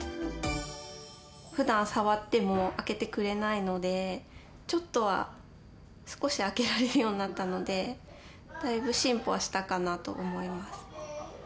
ふだん触っても開けてくれないのでちょっとは少し開けられるようになったのでだいぶ進歩はしたかなと思います。